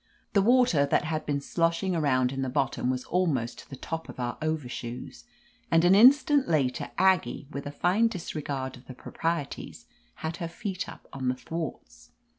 The water that had been sloshing around in the bottom was almost to the top of our overshoes, and an instant later Aggie, with a fine disregard of the proprieties, had her feet up on the thwarts.